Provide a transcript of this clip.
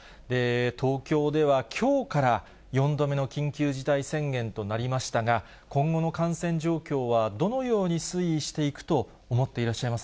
東京ではきょうから、４度目の緊急事態宣言となりましたが、今後の感染状況はどのように推移していくと思っていらっしゃいま